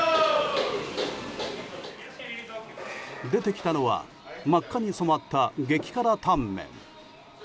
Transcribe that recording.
出てきたのは真っ赤に染まった激辛タンメン。